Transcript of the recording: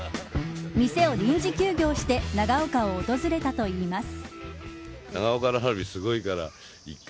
店を臨時休業して長岡を訪れたといいます。